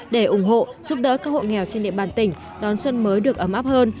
để ủng hộ giúp đỡ các hộ nghèo trên địa bàn tỉnh đón xuân mới được ấm áp hơn